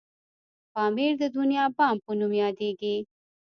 پامير د دنيا بام په نوم یادیږي.